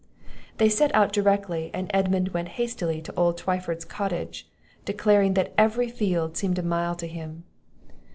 They set out directly, and Edmund went hastily to old Twyford's cottage, declaring that every field seemed a mile to him.